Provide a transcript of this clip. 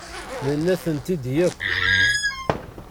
Nenna-tent-id akk.